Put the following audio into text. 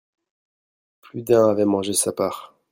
Plus d'un avait mangé sa part.